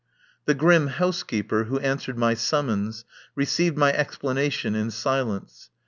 The grim housekeeper, who answered my summons, received my explanation in silence.